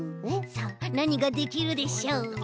さあなにができるでしょう？